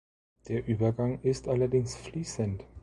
Der Übergang ist allerdings fließend.